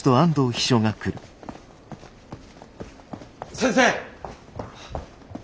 先生！